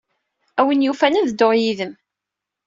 A win yufan, ad dduɣ yid-m.